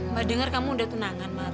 mbak denger kamu udah tunangan mar